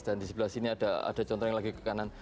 dan di sebelah sini ada contreng lagi ke kanan